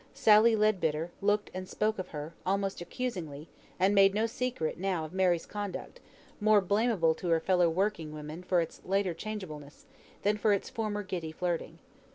Sally Leadbitter looked and spoke of her, almost accusingly, and made no secret now of Mary's conduct, more blameable to her fellow workwomen for its latter changeableness, than for its former giddy flirting.